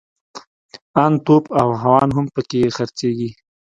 ان توپ او هاوان هم پکښې خرڅېږي.